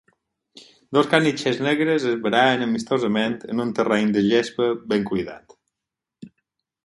Dos caniches negres es barallen amistosament en un terreny de gespa ben cuidat.